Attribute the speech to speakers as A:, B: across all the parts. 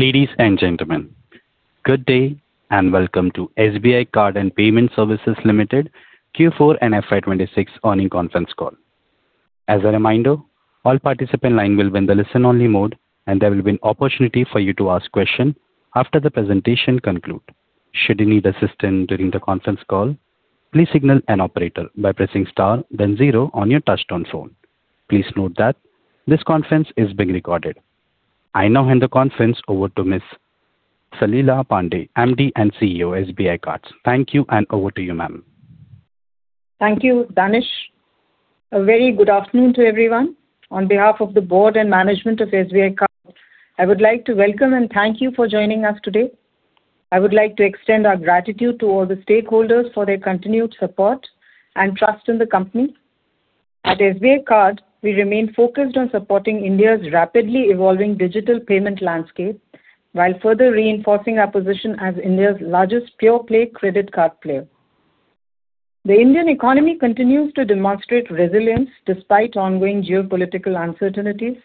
A: Ladies and gentlemen, good day and welcome to SBI Cards and Payment Services Limited Q4 and FY 2026 earnings conference call. As a reminder, all participant lines will be in the listen-only mode and there will be an opportunity for you to ask questions after the presentation concludes. Should you need assistance during the conference call, please signal an operator by pressing star then zero on your touchtone phone. Please note that this conference is being recorded. I now hand the conference over to Ms. Salila Pande, MD and CEO, SBI Cards. Thank you and over to you, ma'am.
B: Thank you, Danish. A very good afternoon to everyone. On behalf of the board and management of SBI Cards, I would like to welcome and thank you for joining us today. I would like to extend our gratitude to all the stakeholders for their continued support and trust in the company. At SBI Cards, we remain focused on supporting India's rapidly evolving digital payment landscape while further reinforcing our position as India's largest pure-play credit card player. The Indian economy continues to demonstrate resilience despite ongoing geopolitical uncertainties,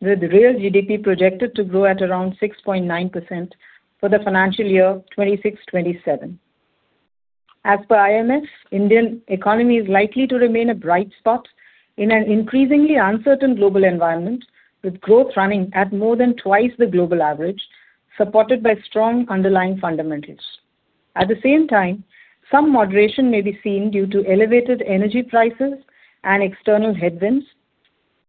B: with real GDP projected to grow at around 6.9% for the financial year 2026-2027. As per IMF, Indian economy is likely to remain a bright spot in an increasingly uncertain global environment, with growth running at more than twice the global average, supported by strong underlying fundamentals. At the same time, some moderation may be seen due to elevated energy prices and external headwinds.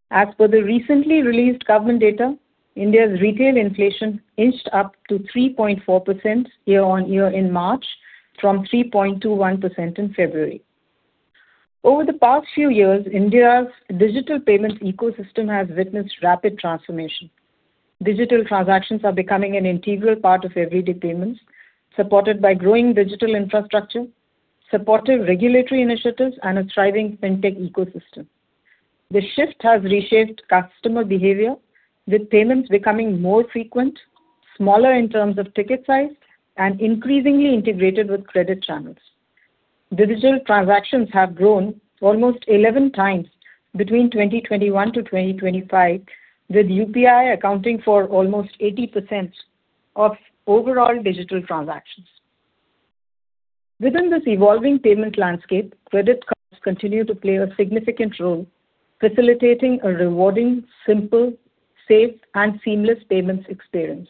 B: As per the recently released government data, India's retail inflation inched up to 3.4% year-on-year in March from 3.21% in February. Over the past few years, India's digital payments ecosystem has witnessed rapid transformation. Digital transactions are becoming an integral part of everyday payments, supported by growing digital infrastructure, supportive regulatory initiatives, and a thriving fintech ecosystem. The shift has reshaped customer behavior, with payments becoming more frequent, smaller in terms of ticket size, and increasingly integrated with credit channels. Digital transactions have grown almost 11 times between 2021 to 2025, with UPI accounting for almost 80% of overall digital transactions. Within this evolving payment landscape, credit cards continue to play a significant role, facilitating a rewarding, simple, safe and seamless payments experience.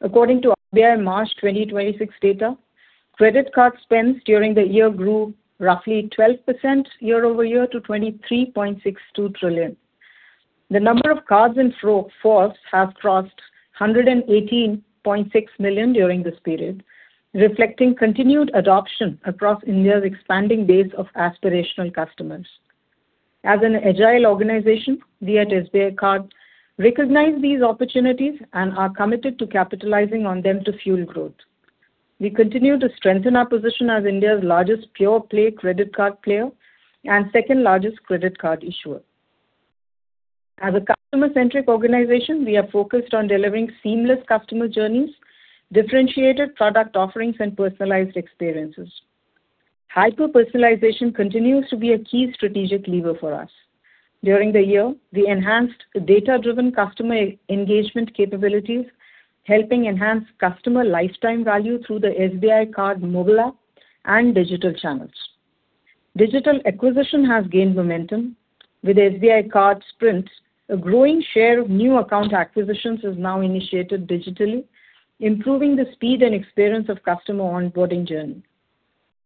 B: According to RBI March 2026 data, credit card spends during the year grew roughly 12% year-over-year to 23.62 trillion. The number of cards in force has crossed 118.6 million during this period, reflecting continued adoption across India's expanding base of aspirational customers. As an agile organization, we at SBI Cards recognize these opportunities and are committed to capitalizing on them to fuel growth. We continue to strengthen our position as India's largest pure-play credit card player and second largest credit card issuer. As a customer-centric organization, we are focused on delivering seamless customer journeys, differentiated product offerings, and personalized experiences. Hyper-personalization continues to be a key strategic lever for us. During the year, we enhanced data-driven customer engagement capabilities, helping enhance customer lifetime value through the SBI Card Mobile App and digital channels. Digital acquisition has gained momentum. With SBI Card SPRINT, a growing share of new account acquisitions is now initiated digitally, improving the speed and experience of customer onboarding journey.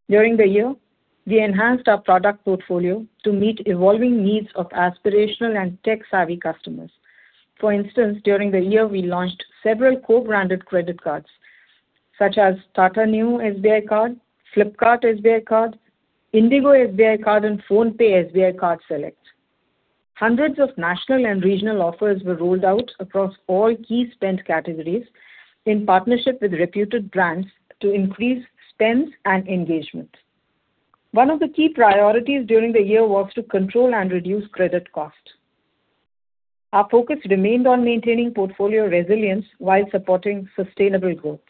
B: During the year, we enhanced our product portfolio to meet evolving needs of aspirational and tech-savvy customers. For instance, during the year we launched several co-branded credit cards such as Tata Neu SBI Card, Flipkart SBI Card, IndiGo SBI Card, and PhonePe SBI Card SELECT. Hundreds of national and regional offers were rolled out across all key spend categories in partnership with reputed brands to increase spends and engagement. One of the key priorities during the year was to control and reduce credit cost. Our focus remained on maintaining portfolio resilience while supporting sustainable growth.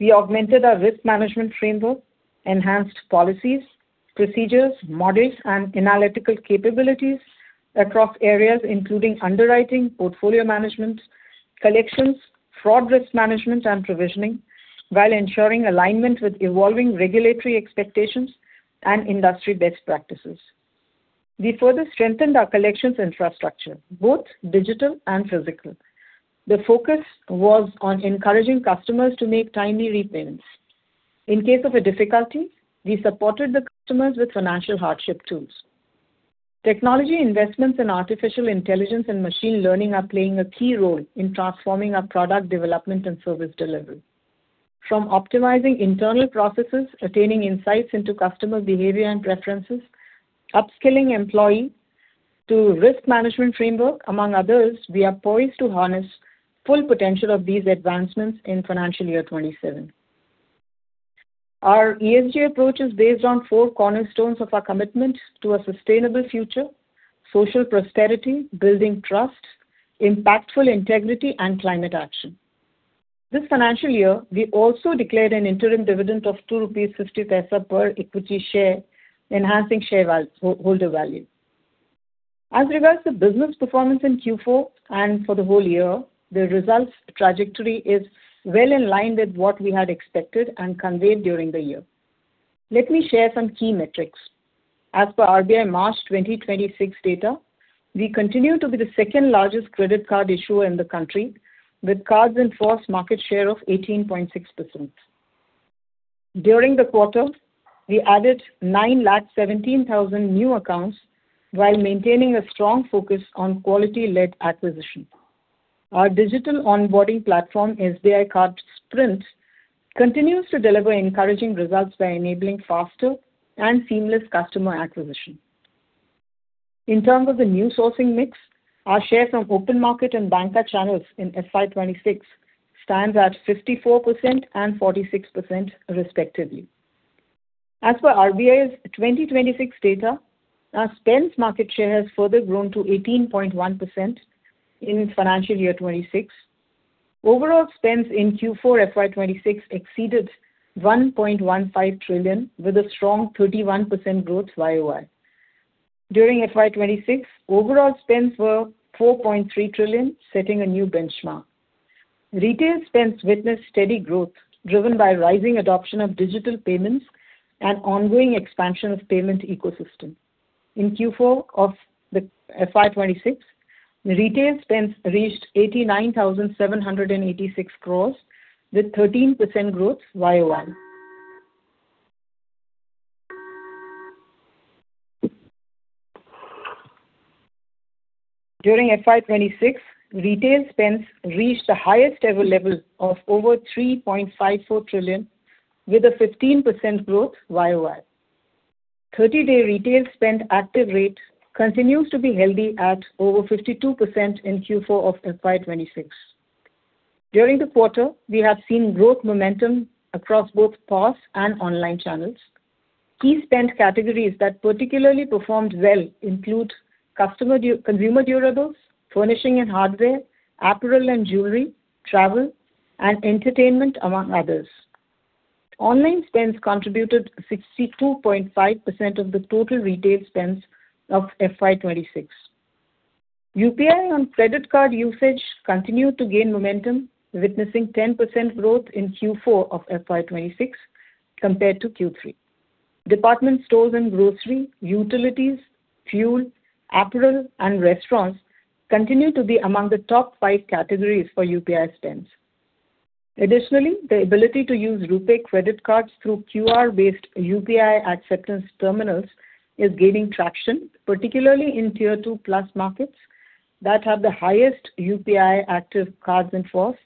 B: We augmented our risk management framework, enhanced policies, procedures, models, and analytical capabilities across areas including underwriting, portfolio management, collections, fraud risk management, and provisioning while ensuring alignment with evolving regulatory expectations and industry best practices. We further strengthened our collections infrastructure, both digital and physical. The focus was on encouraging customers to make timely repayments. In case of a difficulty, we supported the customers with financial hardship tools. Technology investments in artificial intelligence and machine learning are playing a key role in transforming our product development and service delivery. From optimizing internal processes, attaining insights into customer behavior and preferences, upskilling employee to risk management framework, among others, we are poised to harness full potential of these advancements in financial year 2027. Our ESG approach is based on four cornerstones of our commitment to a sustainable future, social prosperity, building trust, impactful integrity, and climate action. This financial year, we also declared an interim dividend of 2.50 rupees per equity share, enhancing shareholder value. As regards the business performance in Q4 and for the whole year, the results trajectory is well in line with what we had expected and conveyed during the year. Let me share some key metrics. As per RBI March 2026 data, we continue to be the second-largest credit card issuer in the country, with cards in force market share of 18.6%. During the quarter, we added 917,000 new accounts while maintaining a strong focus on quality-led acquisition. Our digital onboarding platform, SBI Card SPRINT, continues to deliver encouraging results by enabling faster and seamless customer acquisition. In terms of the new sourcing mix, our share from open market and banker channels in FY 2026 stands at 54% and 46% respectively. As for RBI's 2026 data, our spends market share has further grown to 18.1% in FY 2026. Overall spends in Q4 FY 2026 exceeded 1.15 trillion with a strong 31% growth YoY. During FY 2026, overall spends were 4.3 trillion, setting a new benchmark. Retail spends witnessed steady growth, driven by rising adoption of digital payments and ongoing expansion of payment ecosystem. In Q4 of FY 2026, retail spends reached 89,786 crores with 13% growth YoY. During FY 2026, retail spends reached the highest ever level of over 3.54 trillion with a 15% growth YoY. 30-day retail spend active rate continues to be healthy at over 52% in Q4 of FY 2026. During the quarter, we have seen growth momentum across both POS and online channels. Key spend categories that particularly performed well include consumer durables, furnishing and hardware, apparel and jewelry, travel and entertainment, among others. Online spends contributed 62.5% of the total retail spends of FY 2026. UPI on credit card usage continued to gain momentum, witnessing 10% growth in Q4 of FY 2026 compared to Q3. Department stores and grocery, utilities, fuel, apparel and restaurants continue to be among the top five categories for UPI spends. Additionally, the ability to use RuPay credit cards through QR-based UPI acceptance terminals is gaining traction, particularly in Tier Two plus markets that have the highest UPI active cards in force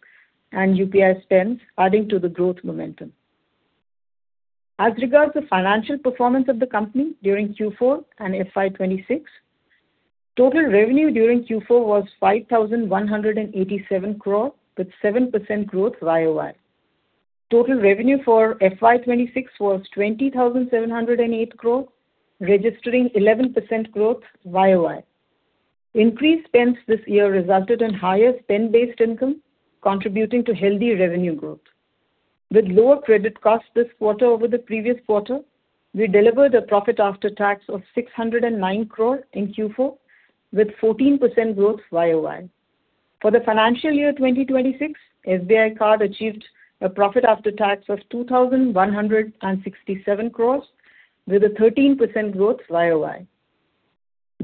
B: and UPI spends, adding to the growth momentum. As regards the financial performance of the company during Q4 and FY 2026, total revenue during Q4 was 5,187 crore with 7% growth YoY. Total revenue for FY 2026 was 20,708 crore, registering 11% growth YoY. Increased spends this year resulted in higher spend-based income contributing to healthy revenue growth. With lower credit cost this quarter over the previous quarter, we delivered a profit after tax of 609 crore in Q4 with 14% growth YoY. For the financial year 2026, SBI Cards achieved a profit after tax of 2,167 crore with a 13% growth YoY.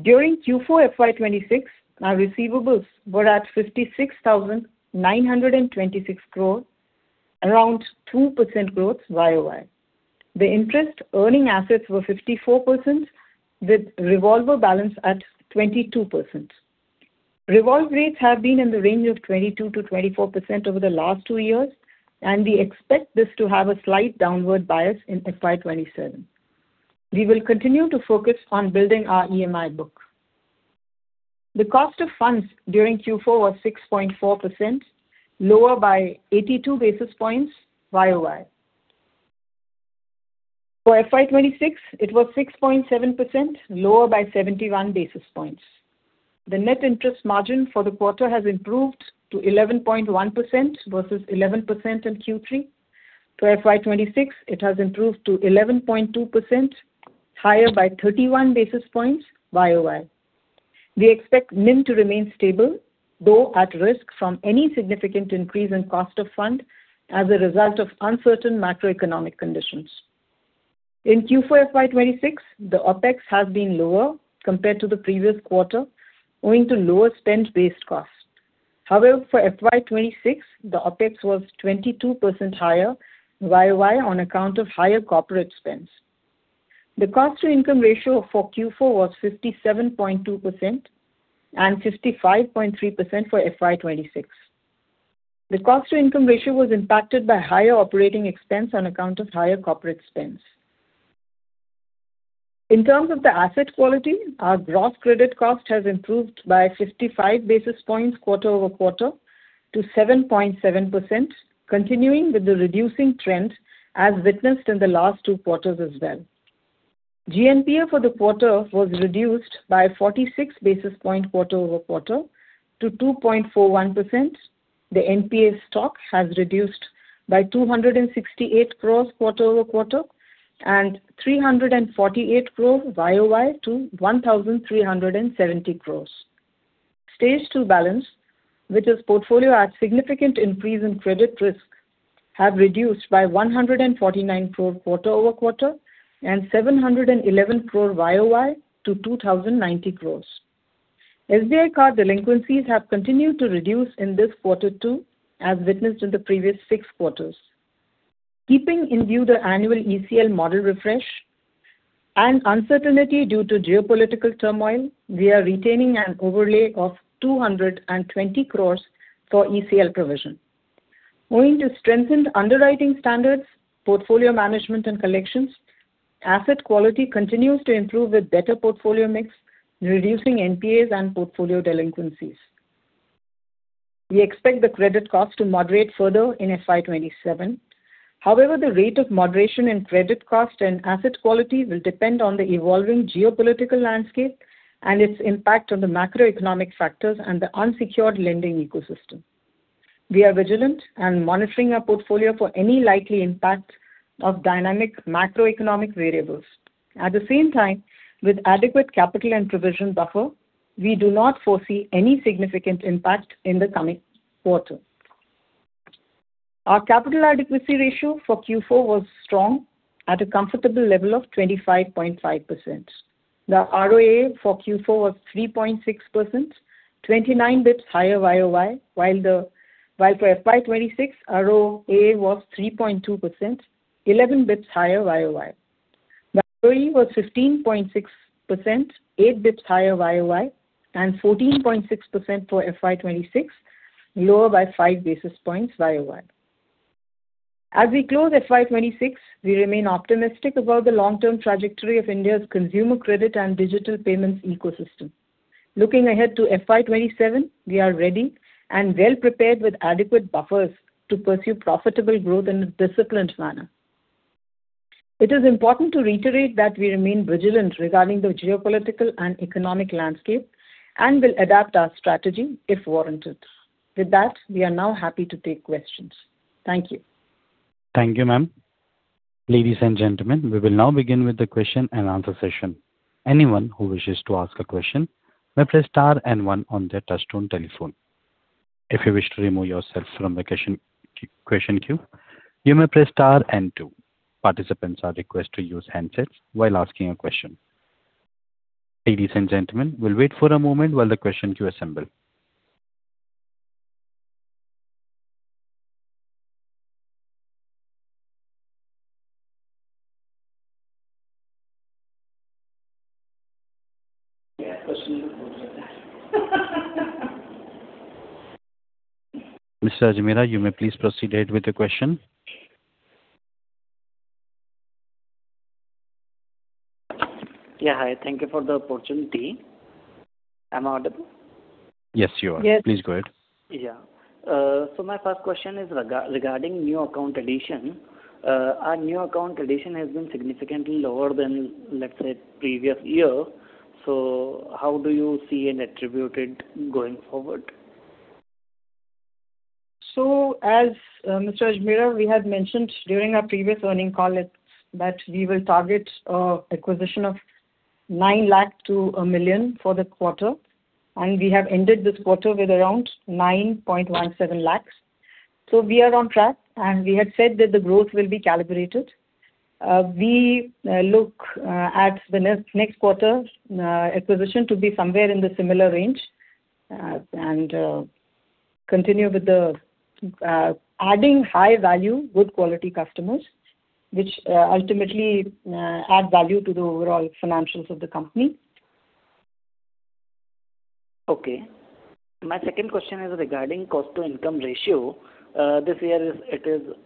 B: During Q4 FY 2026, our receivables were at 56,926 crore, around 2% growth YoY. The interest earning assets were 54% with revolver balance at 22%. Revolving rates have been in the range of 22%-24% over the last two years, and we expect this to have a slight downward bias in FY 2027. We will continue to focus on building our EMI book. The cost of funds during Q4 was 6.4%, lower by 82 basis points YoY. For FY 2026, it was 6.7%, lower by 71 basis points. The net interest margin for the quarter has improved to 11.1% versus 11% in Q3. For FY 2026, it has improved to 11.2%, higher by 31 basis points YoY. We expect NIM to remain stable, though at risk from any significant increase in cost of funds as a result of uncertain macroeconomic conditions. In Q4 FY 2026, the OpEx has been lower compared to the previous quarter, owing to lower spend-based cost. However, for FY 2026, the OpEx was 22% higher YoY on account of higher corporate spends. The cost to income ratio for Q4 was 57.2% and 55.3% for FY 2026. The cost to income ratio was impacted by higher operating expense on account of higher corporate spends. In terms of the asset quality, our gross credit cost has improved by 55 basis points quarter-over-quarter to 7.7%, continuing with the reducing trend as witnessed in the last two quarters as well. GNPA for the quarter was reduced by 46 basis points quarter-over-quarter to 2.41%. The NPA stock has reduced by 268 crore quarter-over-quarter and 348 crore YoY to 1,370 crore. Stage two balance, which is portfolio at significant increase in credit risk, have reduced by 149 crore quarter-over-quarter and 711 crore YoY to 2,090 crore. SBI Cards delinquencies have continued to reduce in this quarter too, as witnessed in the previous six quarters. Keeping in view the annual ECL model refresh and uncertainty due to geopolitical turmoil, we are retaining an overlay of 220 crore for ECL provision. Owing to strengthened underwriting standards, portfolio management and collections, asset quality continues to improve with better portfolio mix, reducing NPAs and portfolio delinquencies. We expect the credit cost to moderate further in FY 2027. However, the rate of moderation in credit cost and asset quality will depend on the evolving geopolitical landscape and its impact on the macroeconomic factors and the unsecured lending ecosystem. We are vigilant and monitoring our portfolio for any likely impact of dynamic macroeconomic variables. At the same time, with adequate capital and provision buffer, we do not foresee any significant impact in the coming quarter. Our capital adequacy ratio for Q4 was strong at a comfortable level of 25.5%. The ROA for Q4 was 3.6%, 29 basis points higher YoY, while for FY 2026, ROA was 3.2%, 11 basis points higher YoY. ROE was 15.6%, eight basis points higher YoY, and 14.6% for FY 2026, lower by five basis points YoY. As we close FY 2026, we remain optimistic about the long-term trajectory of India's consumer credit and digital payments ecosystem. Looking ahead to FY 2027, we are ready and well-prepared with adequate buffers to pursue profitable growth in a disciplined manner. It is important to reiterate that we remain vigilant regarding the geopolitical and economic landscape and will adapt our strategy if warranted. With that, we are now happy to take questions. Thank you.
A: Thank you, ma'am. Ladies and gentlemen, we will now begin with the question and answer session. Anyone who wishes to ask a question may press star and one on their touchtone telephone. If you wish to remove yourself from the question queue, you may press star and two. Participants are requested to use handsets while asking a question. Ladies and gentlemen, we'll wait for a moment while the question queue assemble.
C: Yeah, question.
A: Mr. Ajmera, you may please proceed with your question.
C: Yeah. Hi. Thank you for the opportunity. Am I audible?
A: Yes, you are.
B: Yes.
A: Please go ahead.
C: Yeah. My first question is regarding new account addition. Our new account addition has been significantly lower than, let's say, previous year. How do you see and attribute it going forward?
B: As Mr. Ajmera, we had mentioned during our previous earnings call that we will target acquisition of 9 lakh to 1 million for the quarter, and we have ended this quarter with around 9.17 lakhs. We are on track, and we had said that the growth will be calibrated. We look at the next quarter's acquisition to be somewhere in the similar range, and continue with adding high value, good quality customers, which ultimately add value to the overall financials of the company.
C: Okay. My second question is regarding cost-to-income ratio. This year is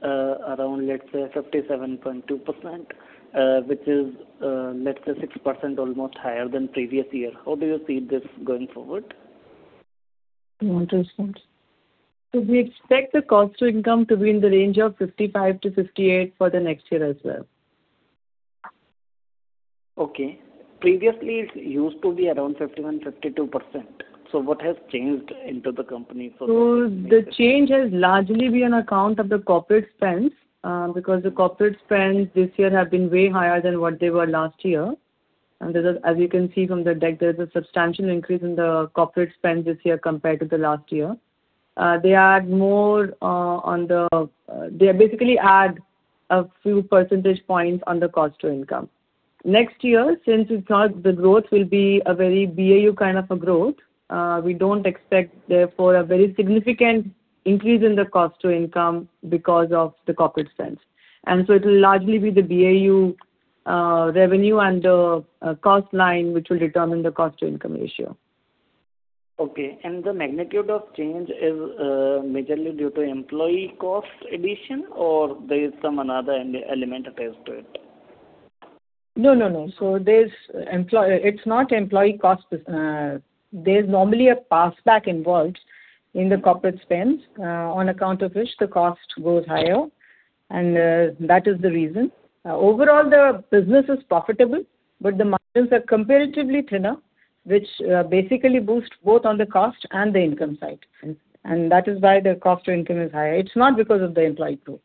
C: around, let's say, 57.2%, which is, let's say, almost 6% higher than previous year. How do you see this going forward?
B: You want to respond?
D: We expect the cost to income to be in the range of 55%-58% for the next year as well.
C: Okay. Previously, it used to be around 51%-52%. What has changed in the company for this-
D: The change has largely been on account of the corporate spends, because the corporate spends this year have been way higher than what they were last year. As you can see from the deck, there's a substantial increase in the corporate spends this year compared to the last year. They basically add a few percentage points on the cost to income. Next year, since we thought the growth will be a very BAU kind of a growth, we don't expect therefore a very significant increase in the cost to income because of the corporate spends. It'll largely be the BAU revenue and the cost line which will determine the cost to income ratio.
C: The magnitude of change is majorly due to employee cost addition or there is some other element attached to it?
D: No. It's not employee cost. There's normally a passback involved in the corporate spends, on account of which the cost goes higher and that is the reason. Overall the business is profitable, but the margins are comparatively thinner, which basically boost both on the cost and the income side. That is why the cost to income is higher. It's not because of the employee growth.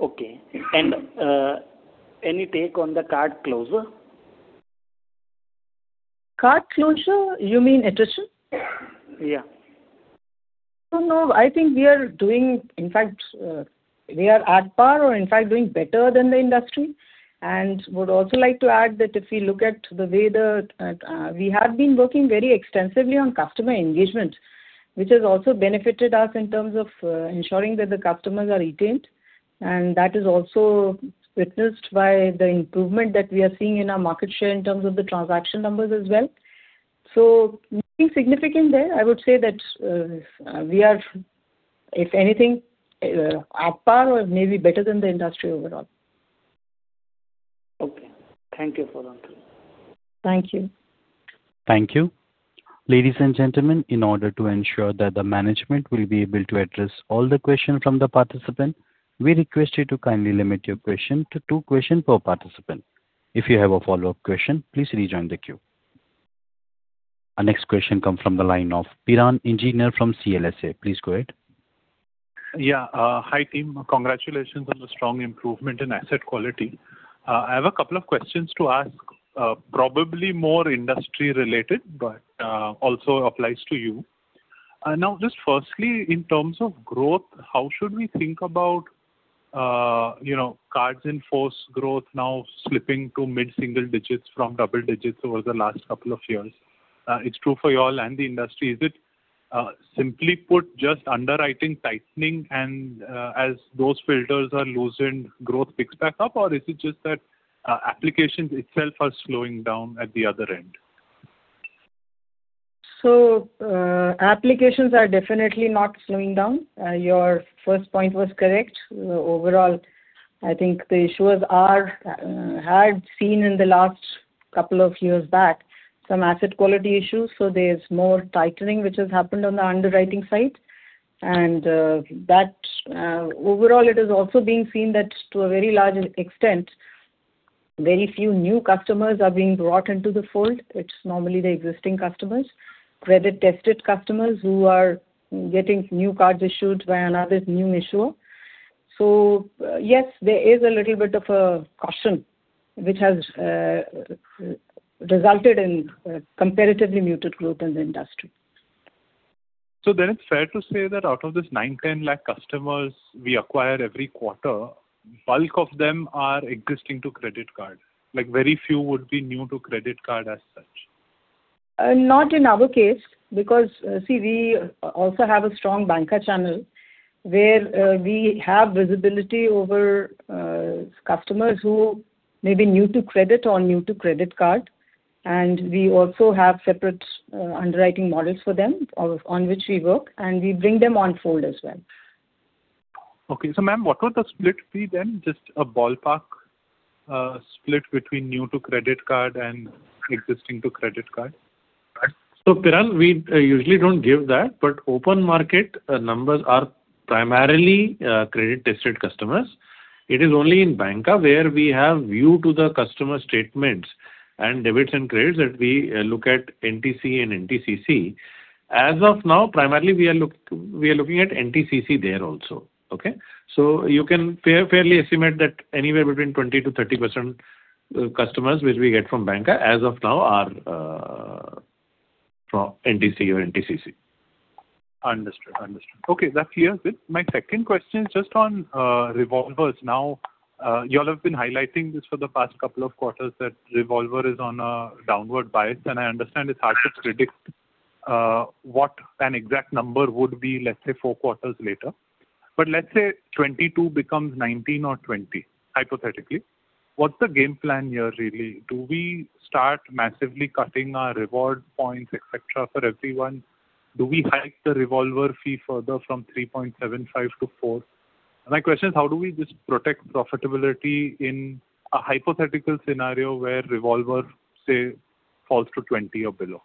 C: Okay. Any take on the card closure?
B: Card closure, you mean attrition?
C: Yeah.
B: No, I think we are doing. In fact, we are at par or in fact doing better than the industry. I would also like to add that if you look at the way we have been working very extensively on customer engagement, which has also benefited us in terms of ensuring that the customers are retained, and that is also witnessed by the improvement that we are seeing in our market share in terms of the transaction numbers as well. Nothing significant there. I would say that we are, if anything, at par or maybe better than the industry overall.
C: Okay. Thank you for that.
B: Thank you.
A: Thank you. Ladies and gentlemen, in order to ensure that the management will be able to address all the questions from the participant, we request you to kindly limit your question to two questions per participant. If you have a follow-up question, please rejoin the queue. Our next question come from the line of Piran Engineer from CLSA. Please go ahead.
E: Yeah. Hi team. Congratulations on the strong improvement in asset quality. I have a couple of questions to ask, probably more industry-related, but also applies to you. Now, just firstly, in terms of growth, how should we think about, you know, cards in force growth now slipping to mid-single digits from double digits over the last couple of years? It's true for you all and the industry. Is it simply put, just underwriting tightening and, as those filters are loosened, growth picks back up? Or is it just that, applications itself are slowing down at the other end?
B: Applications are definitely not slowing down. Your first point was correct. Overall, I think the issuers are, had seen in the last couple of years back some asset quality issues, so there's more tightening which has happened on the underwriting side. That, overall, it is also being seen that to a very large extent, very few new customers are being brought into the fold. It's normally the existing customers, credit-tested customers who are getting new cards issued by another new issuer. Yes, there is a little bit of a caution which has, resulted in a comparatively muted growth in the industry.
E: It's fair to say that out of this 9-10 lakh customers we acquire every quarter, bulk of them are existing to credit card. Like, very few would be new to credit card as such.
B: Not in our case, because, see, we also have a strong banker channel where we have visibility over customers who may be new to credit or new to credit card, and we also have separate underwriting models for them on which we work, and we bring them onboard as well.
E: Okay. Ma'am, what would the split be then? Just a ballpark split between new to credit card and existing to credit card.
F: Piran, we usually don't give that, but open market numbers are primarily credit-tested customers. It is only in banker where we have view to the customer statements and debits and credits that we look at NTC and NTCC. As of now, primarily we are looking at NTCC there also. Okay? You can fairly estimate that anywhere between 20%-30% customers which we get from banker as of now are from NTC or NTCC.
E: Understood. Okay, that's clear. Good. My second question is just on revolvers. Now, you all have been highlighting this for the past couple of quarters, that revolver is on a downward bias, and I understand it's hard to predict what an exact number would be, let's say four quarters later. Let's say 22 becomes 19 or 20, hypothetically. What's the game plan here really? Do we start massively cutting our reward points, et cetera, for everyone? Do we hike the revolver fee further from 3.75-4? My question is how do we just protect profitability in a hypothetical scenario where revolver, say, falls to 20 or below?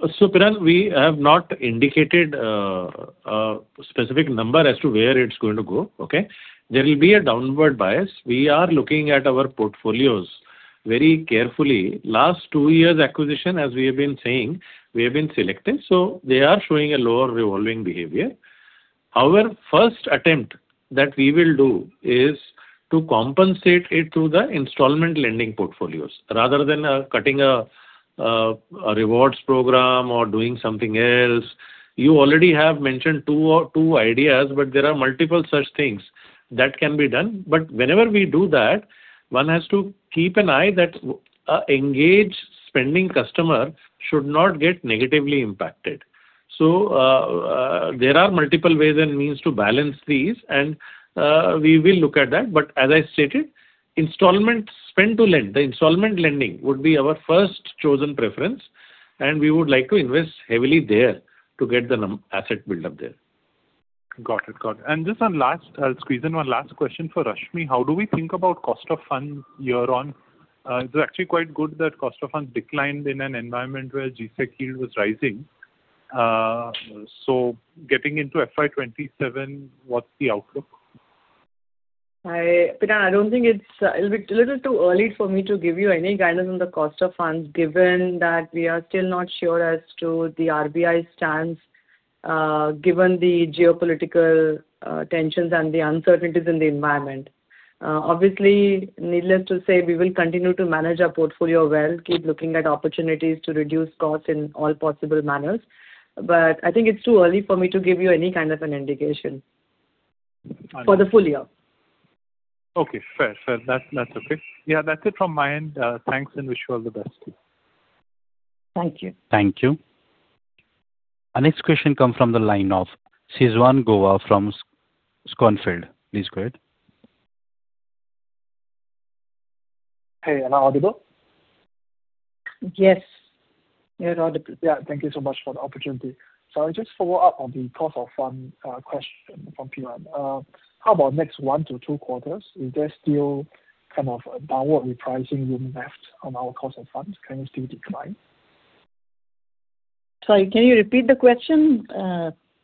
F: Piran, we have not indicated a specific number as to where it's going to go. Okay? There will be a downward bias. We are looking at our portfolios very carefully. Last two years acquisition, as we have been saying, we have been selective, so they are showing a lower revolving behavior. Our first attempt that we will do is to compensate it through the installment lending portfolios rather than cutting a rewards program or doing something else. You already have mentioned two ideas, but there are multiple such things that can be done. Whenever we do that, one has to keep an eye that an engaged spending customer should not get negatively impacted. There are multiple ways and means to balance these and we will look at that. As I stated, the installment lending would be our first chosen preference, and we would like to invest heavily there to get the asset build up there.
E: Got it. Just one last squeeze in one last question for Rashmi. How do we think about cost of funds year on? It's actually quite good that cost of funds declined in an environment where G-Sec yield was rising. Getting into FY 2027, what's the outlook?
D: Piran, I don't think it'll be a little too early for me to give you any guidance on the cost of funds given that we are still not sure as to the RBI stance, given the geopolitical tensions and the uncertainties in the environment. Obviously needless to say, we will continue to manage our portfolio well, keep looking at opportunities to reduce costs in all possible manners. I think it's too early for me to give you any kind of an indication.
E: I know.
D: for the full year.
E: Okay. Fair. That's okay. Yeah, that's it from my end. Thanks and wish you all the best.
B: Thank you.
A: Thank you. Our next question comes from the line of Sujal Ghorai from Schonfeld. Please go ahead.
G: Hey, am I audible?
B: Yes.
G: Yeah. Thank you so much for the opportunity. I just follow up on the cost of fund question from Piran. How about next one to two quarters? Is there still kind of a downward repricing room left on our cost of funds? Can it still decline?
B: Sorry, can you repeat the question?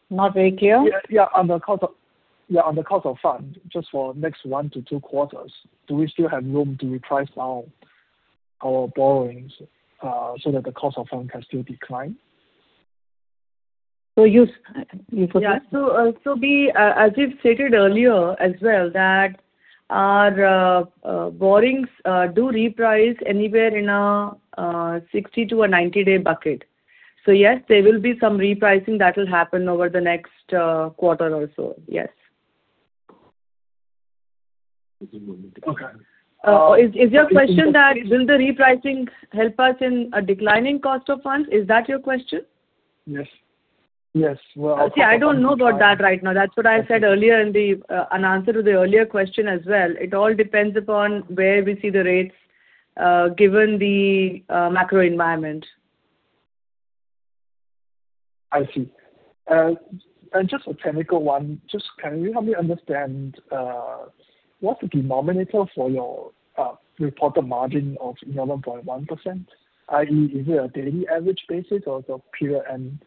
B: Not very clear.
G: Yeah. On the cost of fund, just for next one to two quarters, do we still have room to reprice our borrowings, so that the cost of fund can still decline?
D: So you s- Yeah. We, as we've stated earlier as well that our borrowings do reprice anywhere in a 60- to 90-day bucket. Yes, there will be some repricing that will happen over the next quarter also. Yes.
G: Okay.
D: Is your question that will the repricing help us in a declining cost of funds? Is that your question?
G: Yes. Yes.
D: See, I don't know about that right now. That's what I said earlier in the answer to the earlier question as well. It all depends upon where we see the rates, given the macro environment.
G: I see. Just a technical one. Just can you help me understand what's the denominator for your reported margin of 11.1%? I.e., is it a daily average basis or it's a period end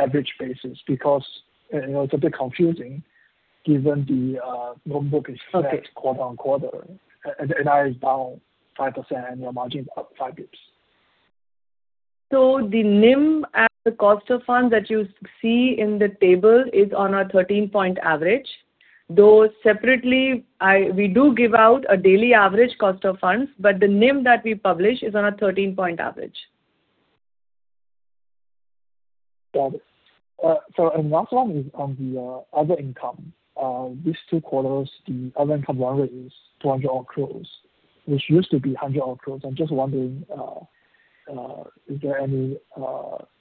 G: average basis? Because, you know, it's a bit confusing given the loan book is flat quarter-on-quarter. NI is down 5% and your margin is up five basis points.
D: The NIM and the cost of funds that you see in the table is on a 13-point average. Though separately, we do give out a daily average cost of funds, but the NIM that we publish is on a 13-point average.
G: Got it. Last one is on the other income. These two quarters the other income leverage is 200-odd crore, which used to be 100-odd crore. I'm just wondering, is there any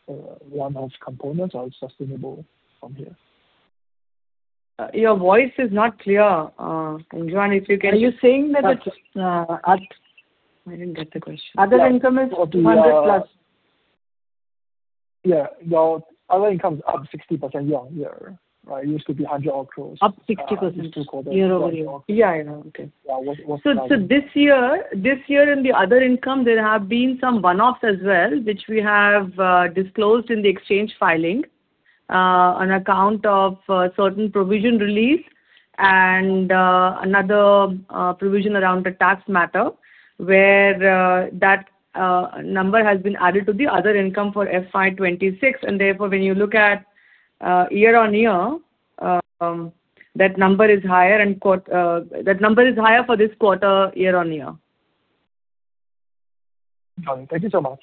G: one-off components or it's sustainable from here?
B: Your voice is not clear. Johan, if you can- Are you saying that it's. I didn't get the question. Other income is 200+.
G: Yeah. Your other income is up 60% year-on-year, right? It used to be 100-odd crores.
B: Up 60% year-over-year.
G: Yeah, I know.
B: Okay.
G: Yeah. What's behind this?
B: This year in the other income there have been some one-offs as well which we have disclosed in the exchange filing. On account of certain provision release and another provision around a tax matter where that number has been added to the other income for FY 2026. Therefore when you look at year-on-year, that number is higher for this quarter year-on-year.
G: Got it. Thank you so much.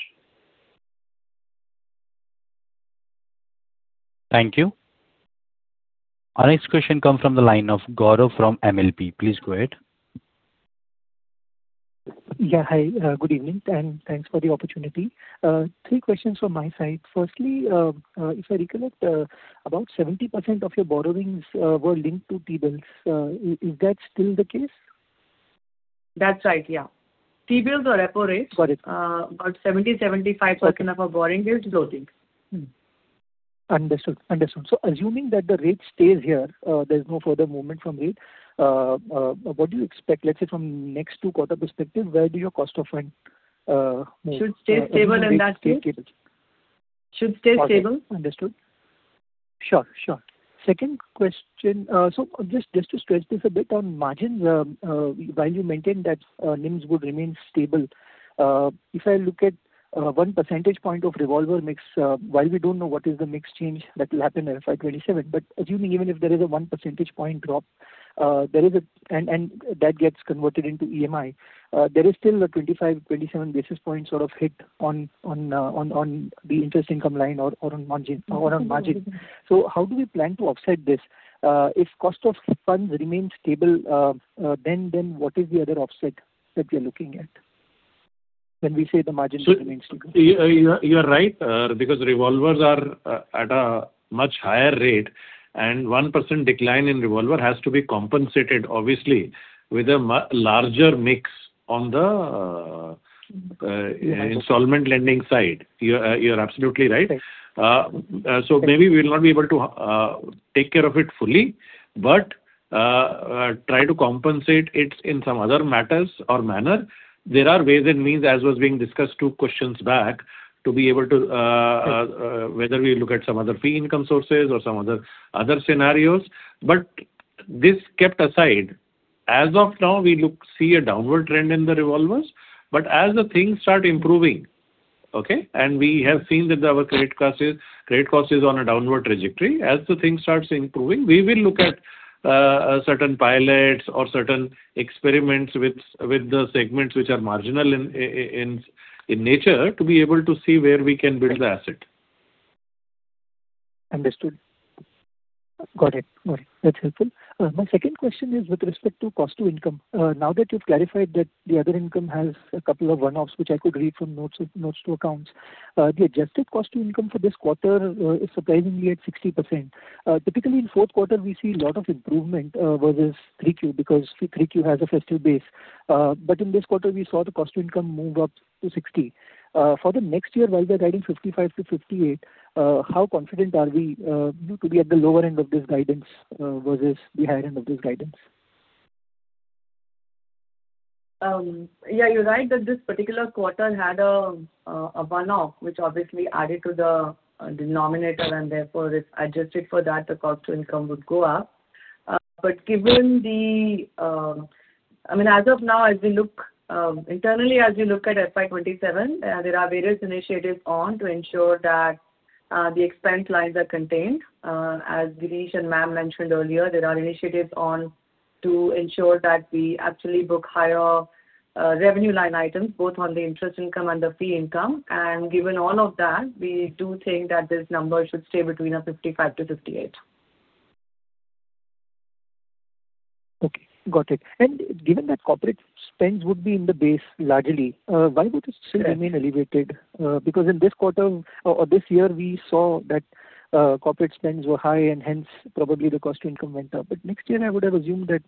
A: Thank you. Our next question come from the line of Gaurav from MLP. Please go ahead.
H: Hi, good evening and thanks for the opportunity. Three questions from my side. Firstly, if I recollect, about 70% of your borrowings were linked to T-bills. Is that still the case?
B: That's right. Yeah. T-bills or repo rates.
H: Got it.
B: About 70%-75%.
H: Okay.
B: of our borrowing is floating.
H: Understood. Assuming that the rate stays here, there's no further movement from here, what do you expect? Let's say from next two quarter perspective, where do your cost of fund,
B: Should stay stable in that case.
H: Rate stay stable?
B: Should stay stable.
H: Got it. Understood. Sure. Second question. Just to stretch this a bit on margins, while you maintain that NIMs would remain stable, if I look at one percentage point of revolver mix, while we don't know what is the mix change that will happen in FY 2027. Assuming even if there is a one percentage point drop, and that gets converted into EMI, there is still a 25-27 basis point sort of hit on the interest income line or on margin. How do you plan to offset this? If cost of funds remains stable, then what is the other offset that you're looking at when we say the margin remains stable?
F: You are right because revolvers are at a much higher rate and 1% decline in revolver has to be compensated obviously with a much larger mix on the
H: Understood.
F: Installment lending side. You're absolutely right.
H: Right.
F: Maybe we'll not be able to take care of it fully, but try to compensate it in some other matters or manner. There are ways and means, as was being discussed two questions back, to be able to.
H: Yes.
F: Whether we look at some other fee income sources or some other scenarios. This kept aside, as of now, we see a downward trend in the revolvers. As the things start improving, we have seen that our credit cost is on a downward trajectory. As the things starts improving, we will look at certain pilots or certain experiments with the segments which are marginal in nature to be able to see where we can build the asset.
H: Understood. Got it. That's helpful. My second question is with respect to cost to income. Now that you've clarified that the other income has a couple of one-offs, which I could read from notes to accounts. The adjusted cost to income for this quarter is surprisingly at 60%. Typically in fourth quarter we see a lot of improvement versus Q3 because Q3 has a festive base. In this quarter we saw the cost to income move up to 60%. For the next year, while we are guiding 55%-58%, how confident are we to be at the lower end of this guidance versus the higher end of this guidance?
D: Yeah, you're right that this particular quarter had a one-off, which obviously added to the denominator and therefore if adjusted for that, the cost to income would go up. But given the, I mean, as of now, as we look internally at FY 2027, there are various initiatives on to ensure that the expense lines are contained. As Girish and ma'am mentioned earlier, there are initiatives on to ensure that we actually book higher revenue line items both on the interest income and the fee income. Given all of that, we do think that this number should stay between 55%-58%.
H: Okay. Got it. Given that corporate spends would be in the base largely, why would it still remain elevated? Because in this quarter or this year, we saw that corporate spends were high and hence probably the cost to income went up. Next year I would have assumed that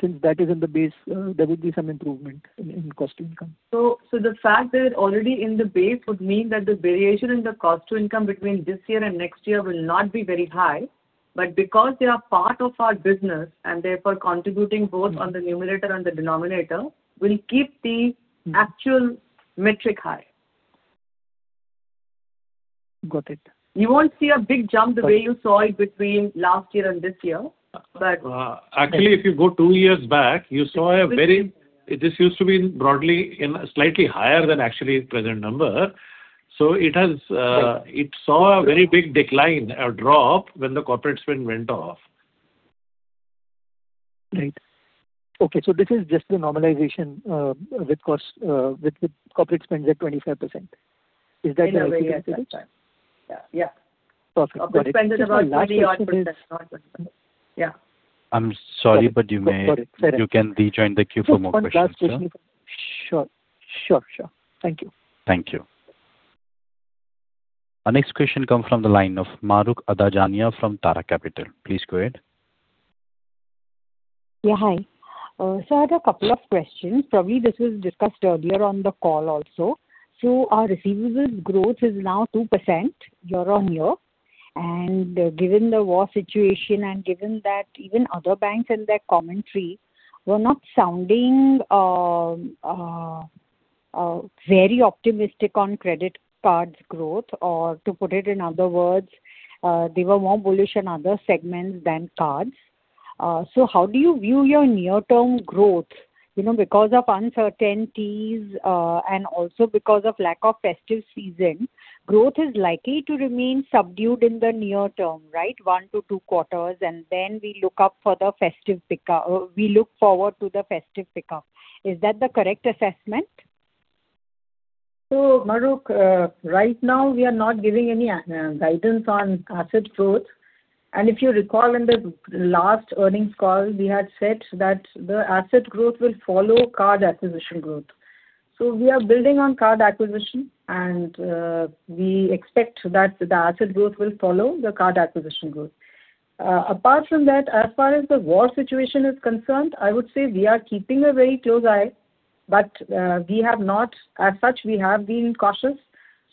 H: since that is in the base, there would be some improvement in cost to income.
D: The fact that already in the base would mean that the variation in the cost to income between this year and next year will not be very high, but because they are part of our business and therefore contributing both on the numerator and the denominator, will keep the actual metric high.
H: Got it.
D: You won't see a big jump the way you saw it between last year and this year, but.
F: Actually, if you go two years back, you saw this used to be broadly in slightly higher than actually present number. It has
H: Right.
F: It saw a very big decline, a drop when the corporate spend went off.
H: Right. Okay, this is just the normalization with costs with corporate spends at 25%. Is that the way to look at it?
D: In a way, yes, that's right. Yeah, yeah.
H: Perfect. Got it.
D: Our spend is about 30%-35%.
H: Just my last question is.
D: Yeah.
A: I'm sorry, but you may.
H: Got it. Sorry.
A: You can rejoin the queue for more questions, sir.
H: Just one last question. Sure. Thank you.
A: Thank you. Our next question comes from the line of Mahrukh Adajania from Tara Capital. Please go ahead.
I: Yeah, hi. I have a couple of questions. Probably this was discussed earlier on the call also. Our receivables growth is now 2% year-on-year. Given the war situation and given that even other banks and their commentary were not sounding very optimistic on credit cards growth, or to put it in other words, they were more bullish on other segments than cards. How do you view your near-term growth? Because of uncertainties and also because of lack of festive season, growth is likely to remain subdued in the near term, right? One to two quarters, then we look forward to the festive pick up. Is that the correct assessment?
B: Mahrukh, right now we are not giving any guidance on asset growth. If you recall in the last earnings call, we had said that the asset growth will follow card acquisition growth. We are building on card acquisition, and we expect that the asset growth will follow the card acquisition growth. Apart from that, as far as the war situation is concerned, I would say we are keeping a very close eye, but as such, we have been cautious,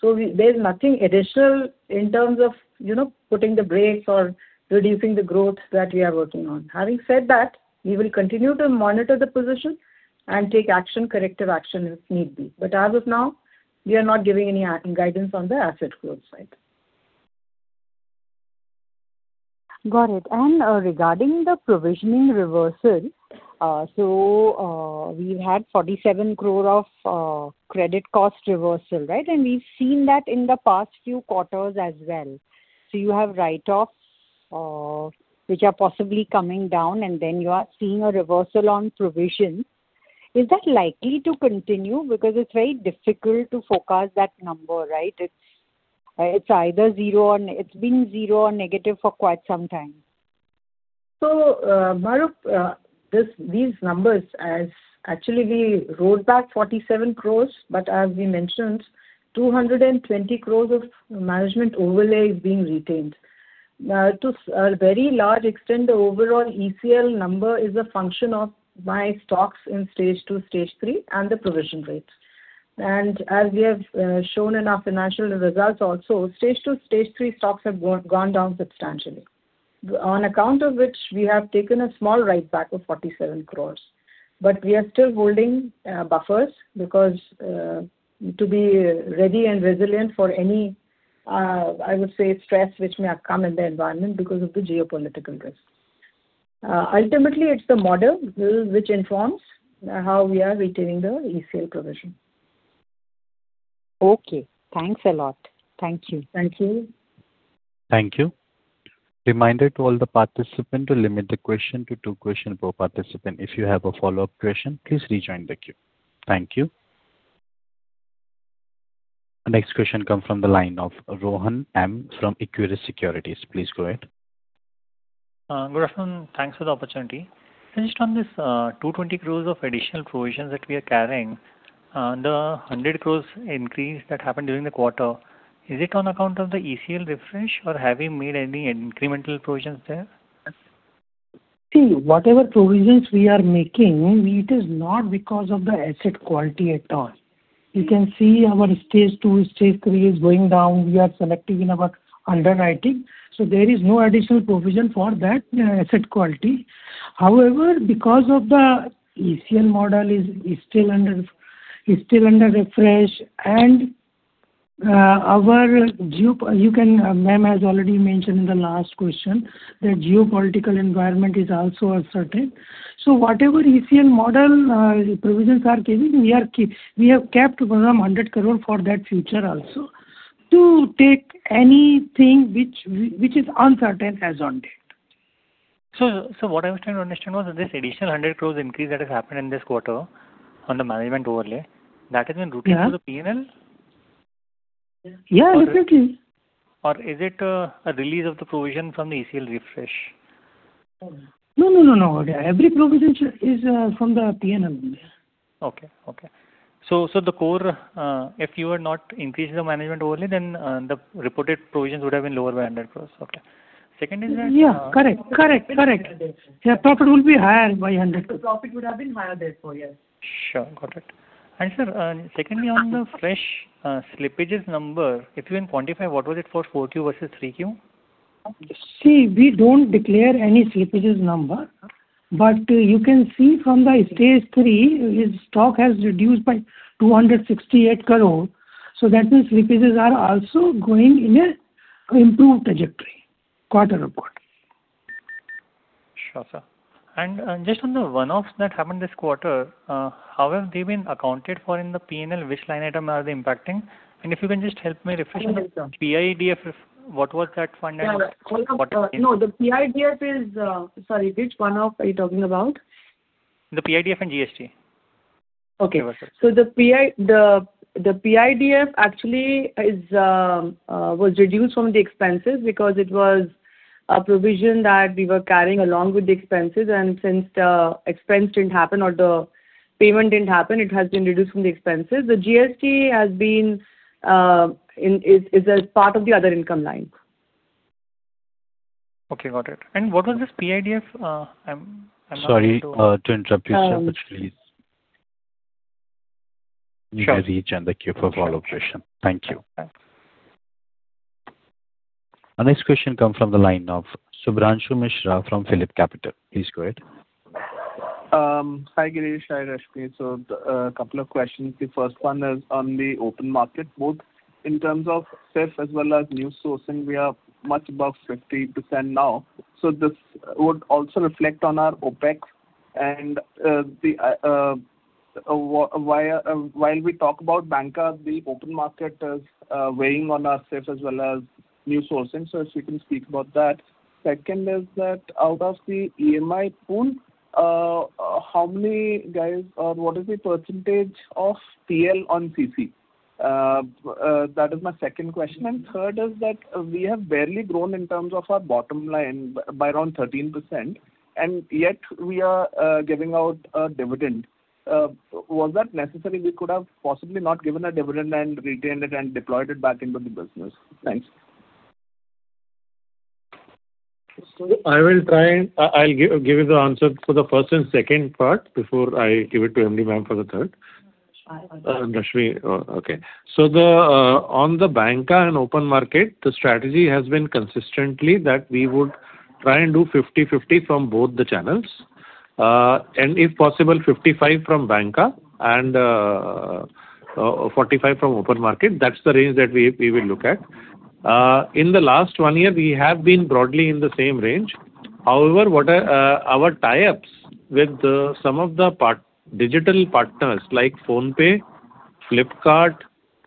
B: so there's nothing additional in terms of, you know, putting the brakes or reducing the growth that we are working on. Having said that, we will continue to monitor the position and take action, corrective action if need be. As of now, we are not giving any guidance on the asset growth side.
I: Got it. Regarding the provisioning reversal, we had 47 crore of credit cost reversal, right? We've seen that in the past few quarters as well. You have write-offs, which are possibly coming down and then you are seeing a reversal on provisions. Is that likely to continue? Because it's very difficult to forecast that number, right? It's either zero or negative. It's been zero or negative for quite some time.
B: Mahrukh, these numbers are actually we wrote back 47 crore, but as we mentioned, 220 crore of management overlay is being retained. To a very large extent, the overall ECL number is a function of our stocks in stage two, stage three, and the provision rates. As we have shown in our financial results also, stage two, stage three stocks have gone down substantially. On account of which we have taken a small write back of 47 crore. We are still holding buffers because to be ready and resilient for any, I would say stress which may come in the environment because of the geopolitical risk. Ultimately it's the model which informs how we are retaining the ECL provision.
I: Okay. Thanks a lot. Thank you.
B: Thank you.
A: Thank you. Reminder to all the participants to limit the questions to two questions per participant. If you have a follow-up question, please rejoin the queue. Thank you. Next question comes from the line of Rohan M. from Equirus Securities. Please go ahead.
J: Good afternoon. Thanks for the opportunity. Just on this, 220 crore of additional provisions that we are carrying, the 100 crore increase that happened during the quarter, is it on account of the ECL refresh or have we made any incremental provisions there?
F: See, whatever provisions we are making, it is not because of the asset quality at all. You can see our stage two, stage three is going down. We are selective in our underwriting. There is no additional provision for that asset quality. However, because the ECL model is still under refresh. You can, ma'am has already mentioned in the last question that the geopolitical environment is also uncertain. Whatever ECL model provisions are giving, we have kept around 100 crore for that future also to take anything which is uncertain as on date.
J: What I was trying to understand was this additional 100 crore increase that has happened in this quarter on the management overlay, that has been routed-
F: Yeah.
J: Through the P&L?
F: Yeah, exactly.
J: Is it a release of the provision from the ECL refresh?
F: No. Every provision is from the P&L.
J: Okay. The core, if you had not increased the management overlay, then the reported provisions would have been lower by 100 crores. Okay. Second is that-
F: Yeah. Correct.
J: Profit would have been higher.
F: Yeah, profit would be higher by 100.
B: The profit would have been higher, therefore, yes.
J: Sure. Got it. Sir, secondly on the fresh slippages number, if you can quantify what was it for 4Q versus 3Q?
F: See, we don't declare any slippages number. You can see from the Stage three, his stock has reduced by 268 crore. That means slippages are also going in a improved trajectory quarter-on-quarter.
J: Sure, sir. Just on the one-offs that happened this quarter, how have they been accounted for in the P&L? Which line item are they impacting? If you can just help me refresh-
B: I will help you.
J: PIDF, what was that fund and what it means?
B: Yeah. No, the PIDF is. Sorry, which one-off are you talking about?
J: The PIDF and GST.
B: Okay.
J: Yeah, that's it.
B: The PIDF was reduced from the expenses because it was a provision that we were carrying along with the expenses and since the expense didn't happen or the payment didn't happen, it has been reduced from the expenses. The GST is a part of the other income line.
J: Okay, got it. What was this PIDF? I'm not able to-
A: Sorry to interrupt you, sir, but please.
J: Sure.
A: You may reach in the queue for follow-up question.
J: Okay, got it.
A: Thank you.
J: Thanks.
A: Our next question come from the line of Shubhanshu Mishra from PhillipCapital. Please go ahead.
K: Hi Girish, hi Rashmi. A couple of questions. The first one is on the open market book. In terms of SAFE as well as new sourcing, we are much above 50% now, so this would also reflect on our OpEx and while we talk about banca, the open market is weighing on our SAFEs as well as new sourcing. If you can speak about that. Second is that out of the EMI pool, how many guys or what is the percentage of PL on CC? That is my second question. Third is that we have barely grown in terms of our bottom line by around 13%, and yet we are giving out a dividend. Was that necessary? We could have possibly not given a dividend and retained it and deployed it back into the business. Thanks.
F: I'll give you the answer for the first and second part before I give it to MD ma'am for the third.
B: Sure.
F: Rashmi, okay. On the banca and open market, the strategy has been consistently that we would try and do 50%-50% from both the channels. And if possible 55% from banca and 45% from open market. That's the range that we will look at. In the last one year, we have been broadly in the same range. However, our tie-ups with some of the digital partners like PhonePe, Flipkart,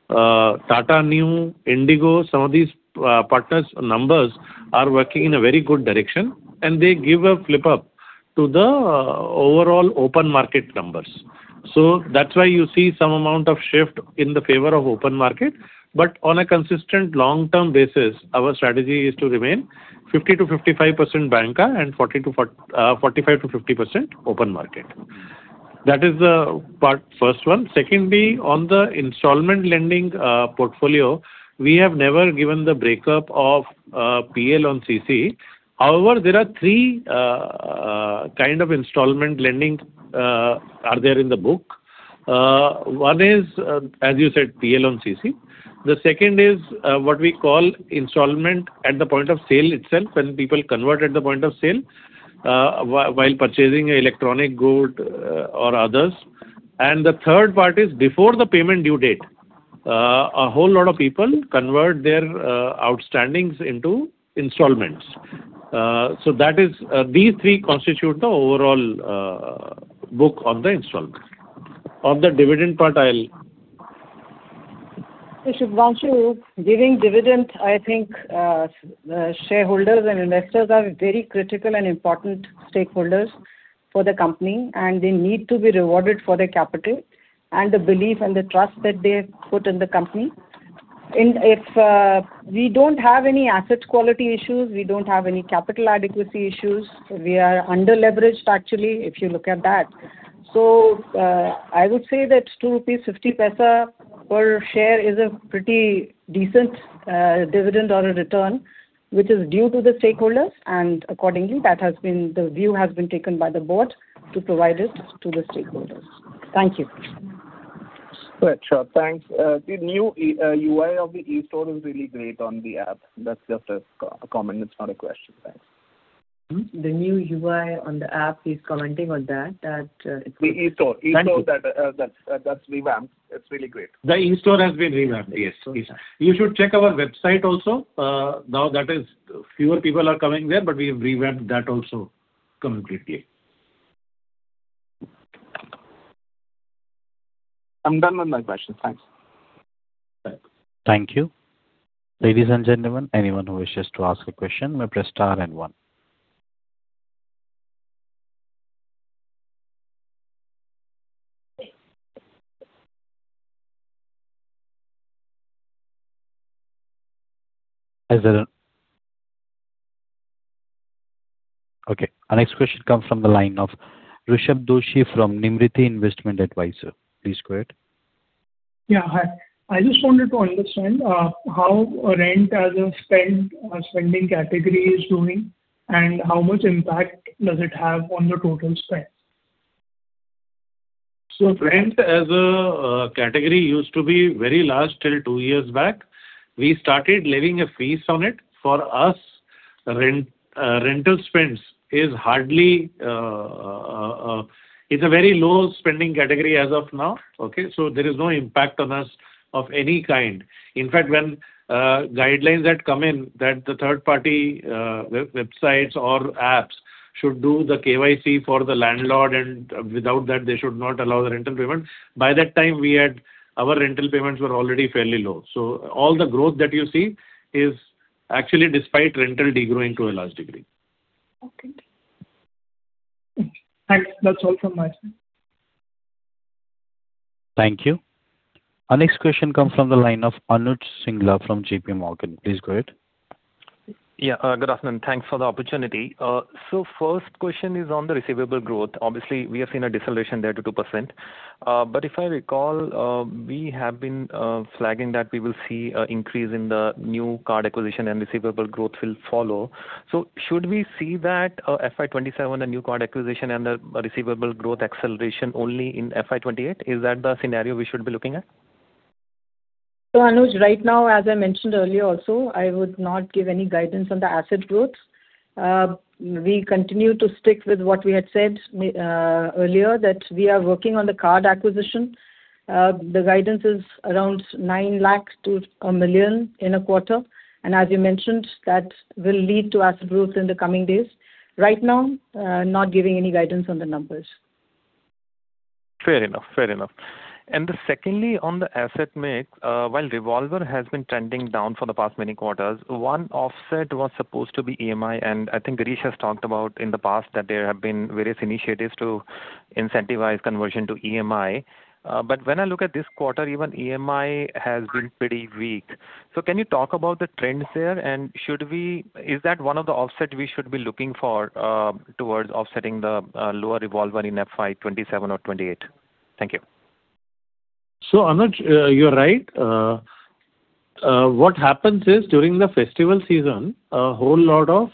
F: Tata Neu, IndiGo, some of these partners' numbers are working in a very good direction and they give a fillip to the overall open market numbers. That's why you see some amount of shift in favor of open market. On a consistent long-term basis, our strategy is to remain 50%-55% banca and 45%-50% open market. That is the first part. Secondly, on the installment lending portfolio, we have never given the breakup of PL on CC. However, there are three kind of installment lending in the book. One is, as you said, PL on CC. The second is what we call installment at the point of sale itself, when people convert at the point of sale while purchasing electronic good or others. The third part is before the payment due date, a whole lot of people convert their outstandings into installments. So that is, these three constitute the overall book on the installments. On the dividend part, I'll
B: Shubhanshu, giving dividend, I think, shareholders and investors are very critical and important stakeholders for the company, and they need to be rewarded for their capital and the belief and the trust that they have put in the company. If we don't have any asset quality issues, we don't have any capital adequacy issues. We are under-leveraged, actually, if you look at that. I would say that 2.50 rupees per share is a pretty decent dividend on a return, which is due to the stakeholders, and accordingly, that has been, the view has been taken by the board to provide it to the stakeholders. Thank you.
K: Great. Sure. Thanks. The new UI of the E-Store is really great on the app. That's just a comment. It's not a question. Thanks.
B: The new UI on the app, he's commenting on that.
K: The E-Store.
F: Thank you.
K: That's revamped. It's really great.
F: The E-Store has been revamped. Yes. You should check our website also. Fewer people are coming there, but we've revamped that also completely.
K: I'm done with my questions. Thanks.
A: Thank you. Ladies and gentlemen, anyone who wishes to ask a question may press star then one. Okay, our next question comes from the line of Rushabh Doshi from Nirmiti Investment Advisors. Please go ahead.
L: Yeah. Hi. I just wanted to understand how rent as a spend spending category is doing and how much impact does it have on the total spend?
F: Rent as a category used to be very large till two years back. We started levying a fee on it. For us, rent, rental spends is hardly, it's a very low spending category as of now. Okay? There is no impact on us of any kind. In fact, when guidelines that come in that the third-party websites or apps should do the KYC for the landlord and without that they should not allow the rental payment, by that time we had our rental payments were already fairly low. All the growth that you see is actually despite rental degrowing to a large degree.
L: Okay. Thanks. That's all from my side.
A: Thank you. Our next question comes from the line of Anuj Singla from JPMorgan. Please go ahead.
M: Yeah. Good afternoon. Thanks for the opportunity. First question is on the receivable growth. Obviously, we have seen a deceleration there to 2%. If I recall, we have been flagging that we will see an increase in the new card acquisition and receivable growth will follow. Should we see that, FY 2027, a new card acquisition and the receivable growth acceleration only in FY 2028? Is that the scenario we should be looking at?
B: Anuj, right now, as I mentioned earlier also, I would not give any guidance on the asset growth. We continue to stick with what we had said earlier, that we are working on the card acquisition. The guidance is around 9 lakh to 1 million in a quarter. As you mentioned, that will lead to asset growth in the coming days. Right now, not giving any guidance on the numbers.
M: Fair enough. Secondly, on the asset mix, while revolver has been trending down for the past many quarters, one offset was supposed to be EMI. I think Girish has talked about in the past that there have been various initiatives to incentivize conversion to EMI. When I look at this quarter, even EMI has been pretty weak. Can you talk about the trends there? Should we? Is that one of the offset we should be looking for, towards offsetting the lower revolver in FY 2027 or 2028? Thank you.
F: Anuj, you're right. What happens is, during the festival season, a whole lot of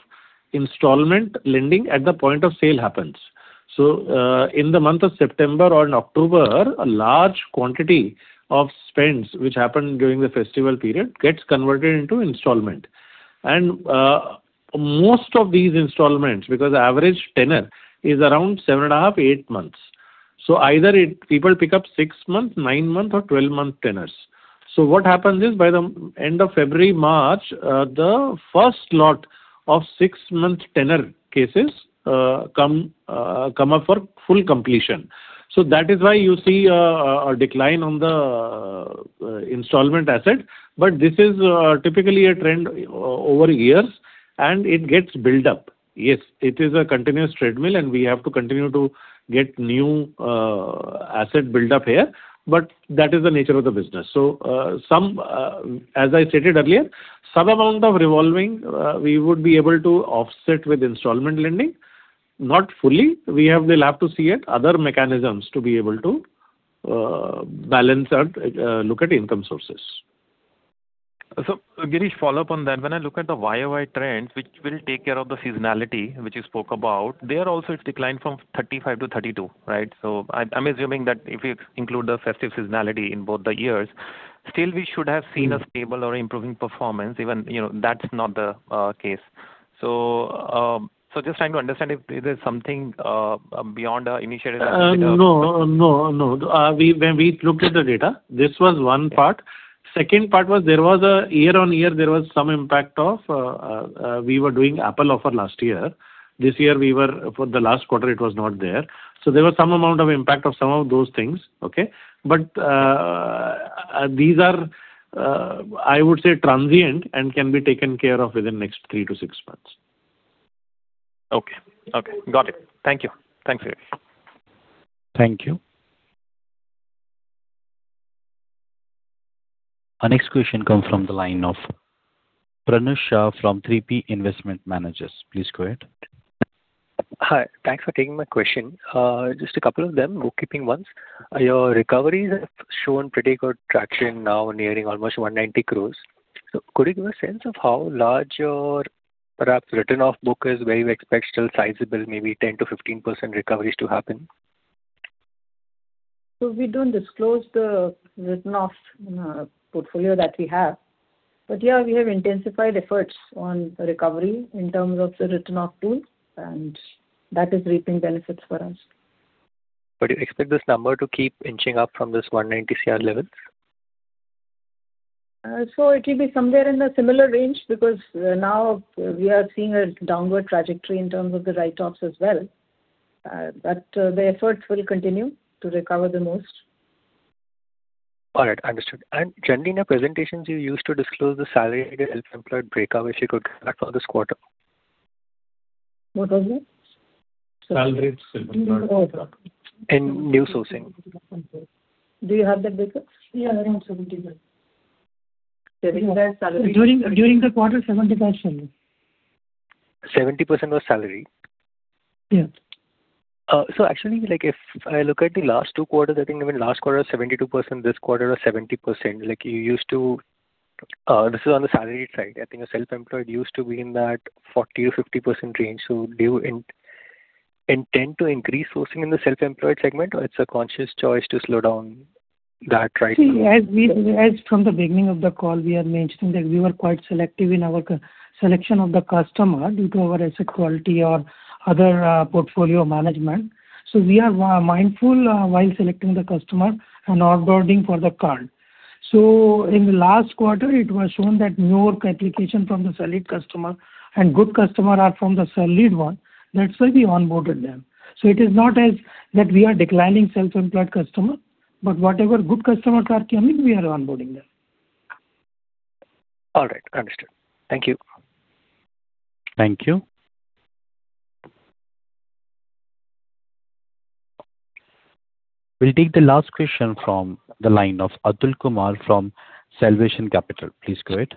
F: installment lending at the point of sale happens. In the month of September or in October, a large quantity of spends which happen during the festival period gets converted into installment. Most of these installments, because the average tenure is around seven and a half, eight months. Either it, people pick up six-month, nine-month or 12-month tenures. What happens is, by the end of February, March, the first lot of six-month tenure cases come up for full completion. That is why you see a decline on the installment asset. This is typically a trend over years, and it gets built up. Yes, it is a continuous treadmill, and we have to continue to get new asset buildup here, but that is the nature of the business. As I stated earlier, some amount of revolving we would be able to offset with installment lending. Not fully. We'll have to seek other mechanisms to be able to balance and look at income sources.
M: Girish, follow up on that. When I look at the YoY trends, which will take care of the seasonality which you spoke about, there also it's declined from 35% to 32%, right? I'm assuming that if you include the festive seasonality in both the years, still we should have seen a stable or improving performance even, you know, that's not the case. Just trying to understand if there's something beyond our initiatives.
F: No. When we looked at the data, this was one part. Second part was there was a year-over-year impact of, we were doing Apple offer last year. This year, for the last quarter it was not there. There was some amount of impact of some of those things. Okay. These are, I would say, transient and can be taken care of within next three to six months.
M: Okay. Got it. Thank you. Thanks, Girish.
A: Thank you. Our next question comes from the line of Pranav Shah from 3P Investment Managers. Please go ahead.
N: Hi. Thanks for taking my question. Just a couple of them, bookkeeping ones. Your recoveries have shown pretty good traction now nearing almost 190 crores. Could you give a sense of how large your perhaps written off book is, where you expect still sizable, maybe 10%-15% recoveries to happen?
B: We don't disclose the written-off portfolio that we have. Yeah, we have intensified efforts on recovery in terms of the written-off pool, and that is reaping benefits for us.
N: You expect this number to keep inching up from this 190 crore level?
B: It will be somewhere in a similar range because now we are seeing a downward trajectory in terms of the write-offs as well. The efforts will continue to recover the most.
N: All right. Understood. Generally in your presentations you used to disclose the salaried self-employed breakup, if you could, for this quarter.
B: What was it?
F: Salaried self-employed.
N: In new sourcing.
B: Do you have the breakup? Yeah, around 70%. During the quarter, 70%.
N: 70% was salary?
B: Yeah.
N: Actually, like, if I look at the last two quarters, I think even last quarter 72%, this quarter was 70%. Like, you used to this is on the salaried side. I think a self-employed used to be in that 40%-50% range. Do you intend to increase sourcing in the self-employed segment, or it's a conscious choice to slow down that right now?
F: See, as from the beginning of the call we are mentioning that we were quite selective in our selection of the customer due to our asset quality or other, portfolio management. We are mindful while selecting the customer and onboarding for the card. In the last quarter it was shown that more application from the salaried customer and good customer are from the salaried one. That's why we onboarded them. It is not as that we are declining self-employed customer, but whatever good customer card came in, we are onboarding them.
N: All right. Understood. Thank you.
A: Thank you. We'll take the last question from the line of Atul Kumar from Salvation Capital. Please go ahead.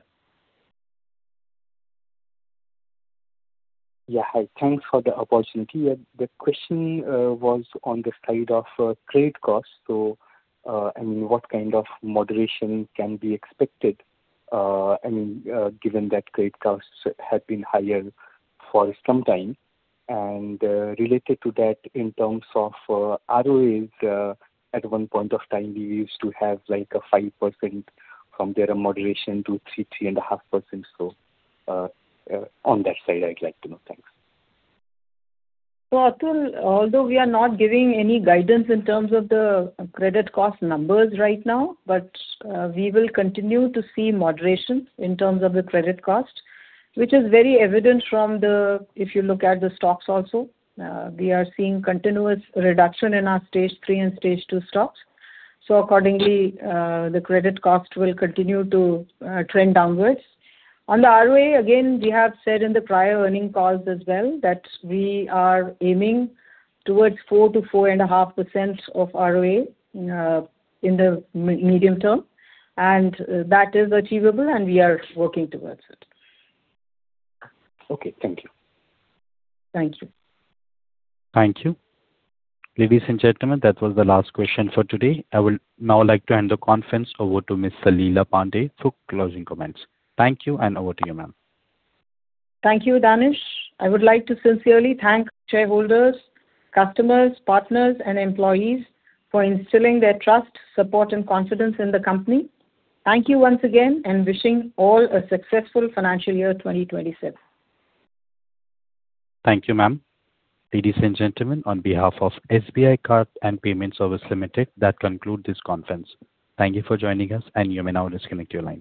O: Yeah. Hi. Thanks for the opportunity. The question was on the side of credit costs. I mean, what kind of moderation can be expected, I mean, given that credit costs have been higher for some time. Related to that in terms of ROAs, at one point of time we used to have like a 5% from there a moderation to 3%-3.5%. On that side I'd like to know. Thanks.
B: Atul, although we are not giving any guidance in terms of the credit cost numbers right now, but we will continue to see moderation in terms of the credit cost, which is very evident if you look at the stocks also. We are seeing continuous reduction in our Stage three and Stage two stocks. Accordingly, the credit cost will continue to trend downwards. On the ROA, again, we have said in the prior earnings calls as well that we are aiming towards 4%-4.5% ROA in the medium term, and that is achievable and we are working towards it.
O: Okay. Thank you.
B: Thank you.
A: Thank you. Ladies and gentlemen, that was the last question for today. I will now like to hand the conference over to Miss Salila Pande for closing comments. Thank you, and over to you, ma'am.
B: Thank you, Danish. I would like to sincerely thank shareholders, customers, partners and employees for instilling their trust, support and confidence in the company. Thank you once again and wishing all a successful financial year 2027.
A: Thank you, ma'am. Ladies and gentlemen, on behalf of SBI Cards and Payment Services Limited, this concludes this conference. Thank you for joining us and you may now disconnect your lines.